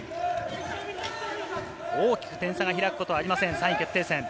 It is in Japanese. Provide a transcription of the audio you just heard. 大きく点差が開くことはありません、３位決定戦。